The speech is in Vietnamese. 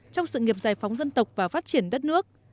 trong sự nghiệp giải phóng dân tộc và phát triển đất nước